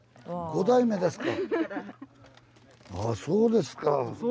そうですか。